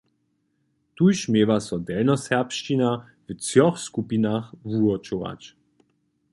Tuž měła so delnjoserbšćina w třoch skupinkach wuwučować.